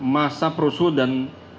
masa perusuh dan